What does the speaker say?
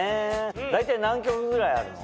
大体何曲ぐらいあるの？